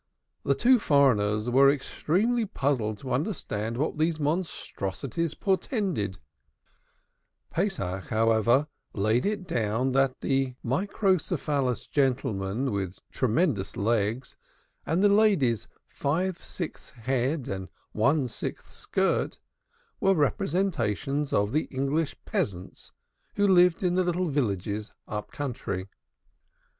The two foreigners were extremely puzzled to understand what these monstrosities portended; Pesach, however, laid it down that the microcephalous gentlemen with tremendous legs, and the ladies five sixths head and one sixth skirt, were representations of the English peasants who lived in the little villages up country.